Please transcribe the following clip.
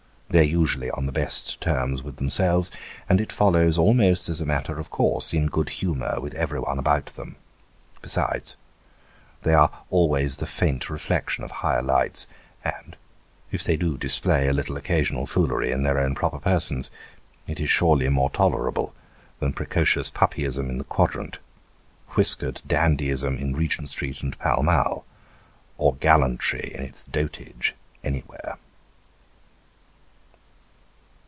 They are usually on the best terms with themselves, and it follows almost as a matter of course, in good humour with everyone about them. Besides, they are always the faint reflection of higher lights ; and, if they do display a little occasional foolery in their own proper persons, it is surely more tolerable than precocious puppyism in the Quadrant, whiskered dandyism in Regent Street and Pall Mall, or gallantry in its dotage anywhere.